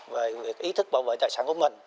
về ý thức bảo vệ tài sản của mình